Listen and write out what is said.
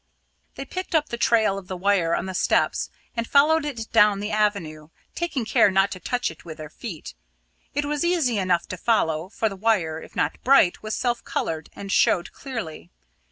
They picked up the trail of the wire on the steps and followed it down the avenue, taking care not to touch it with their feet. It was easy enough to follow, for the wire, if not bright, was self coloured, and showed clearly.